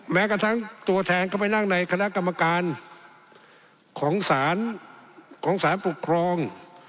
แม้กระทั่งตัวแทนเข้าไปนั่งในคณะกรรมการของศาลของสารปกครอง